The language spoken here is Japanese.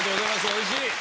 おいしい！